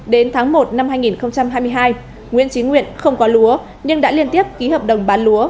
đến tháng một năm hai nghìn hai mươi hai nguyễn trí nguyện không có lúa nhưng đã liên tiếp ký hợp đồng bán lúa